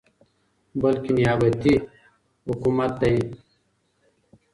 بلكې نيابتي حكومت دى ،